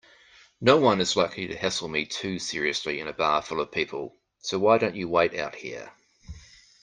Noone is likely to hassle me too seriously in a bar full of people, so why don't you wait out here?